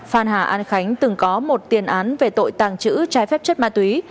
phan hà an khánh từng có một tiền án về tội tàng trữ trái phép chất ma túy